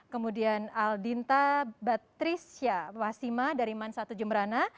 kemudian aldinta batrisya wasima dari mansatu jemberana